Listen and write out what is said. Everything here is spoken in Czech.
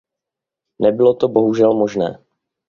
Nebylo to bohužel možné.